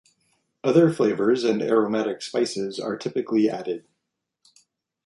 Other flavors and aromatic spices are typically added.